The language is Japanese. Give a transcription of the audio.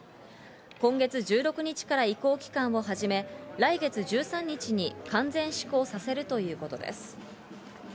今月１６日から移行期間をはじめ、来月１３日に完全施行させるということです。